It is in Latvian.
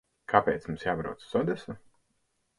Kāpēc mums jābrauc uz Odesu?